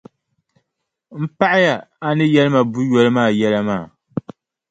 M paɣiya a ni yɛli ma buʼ yoli maa yɛla maa.